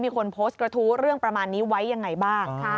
มีคนโพสต์กระทู้เรื่องประมาณนี้ไว้ยังไงบ้าง